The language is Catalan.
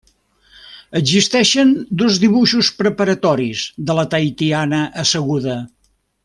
Existeixen dos dibuixos preparatoris de la tahitiana asseguda.